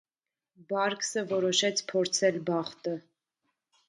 Բարկսը որոշեց փորձել բախտը։